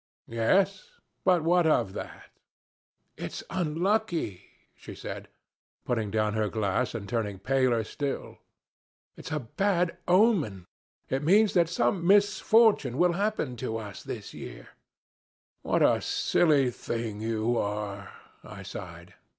"Yes. But what of that?" "It's unlucky," she said, putting down her glass and turning paler still. "It's a bad omen. It means that some misfortune will happen to us this year." "What a silly thing you are," I sighed.